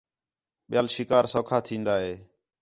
ٻِیال شِکار سَوکھا تِھین٘دا ہِے